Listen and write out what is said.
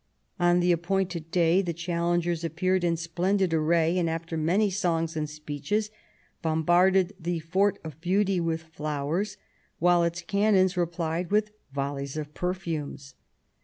On the appointed day the challengers appeared in splendid array, and, after many songs and speeches, bombarded the Fort of Beauty with flowers, while its cannon replied with volleys of perfumes.